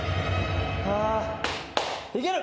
あいける！